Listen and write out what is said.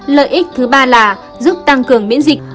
lợi ích thứ ba là giúp tăng cường miễn dịch